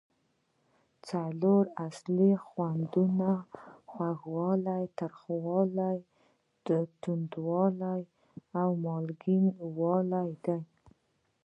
څلور اصلي خوندونه خوږوالی، تریخوالی، تریوالی او مالګینو والی دي.